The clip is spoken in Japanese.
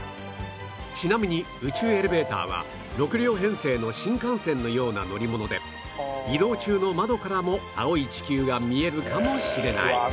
ちなみに宇宙エレベーターは６両編成の新幹線のような乗り物で移動中の窓からも青い地球が見えるかもしれない